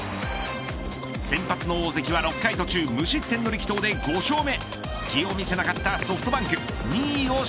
先発の大関は６回途中無失点の力投で５勝目。